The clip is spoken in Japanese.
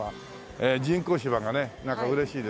人工芝がねなんか嬉しいですけども。